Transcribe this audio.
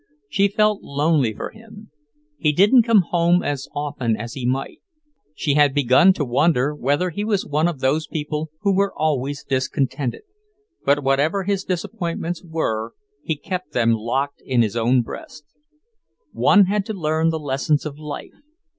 She felt lonely for him. He didn't come home as often as he might. She had begun to wonder whether he was one of those people who are always discontented; but whatever his disappointments were, he kept them locked in his own breast. One had to learn the lessons of life.